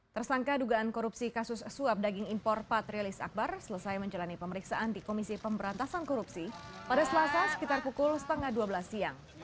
tersangka dugaan korupsi kasus suap daging impor patrialis akbar selesai menjalani pemeriksaan di komisi pemberantasan korupsi pada selasa sekitar pukul setengah dua belas siang